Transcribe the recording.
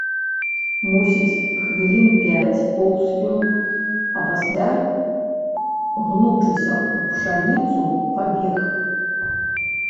Мусіць, хвілін пяць поўз ён, а пасля, гнучыся ў пшаніцу, пабег.